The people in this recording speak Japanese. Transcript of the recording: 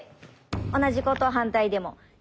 同じことを反対でも。